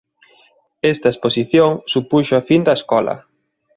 Esta Exposición supuxo a fin da Escola.